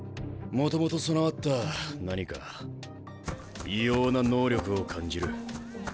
もともと備わった何か異様な能力を感じる。